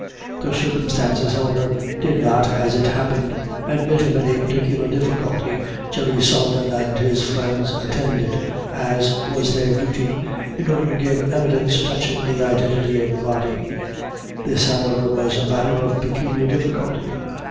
The circumstances, however, did not, as it happened, admit of any particular difficulty Jerry Sullivan and his friends attended as, was their duty, in order to give evidence touching the identity of the body. This, however, was a matter of peculiar difficulty.